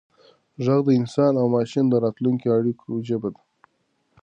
ږغ د انسان او ماشین د راتلونکو اړیکو ژبه ده.